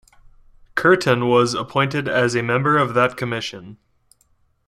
Curtin was appointed as a member of that commission.